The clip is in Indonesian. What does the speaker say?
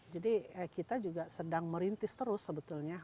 kita juga sedang merintis terus sebetulnya